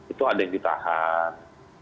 itu ada yang ditahan